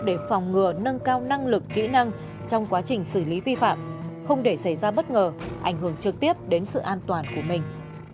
để phòng ngừa nâng cao năng lực kỹ năng trong quá trình xử lý vi phạm không để xảy ra bất ngờ ảnh hưởng trực tiếp đến sự an toàn của mình